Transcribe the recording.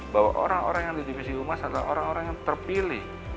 bahwa orang orang yang di divisi humas adalah orang orang yang terpilih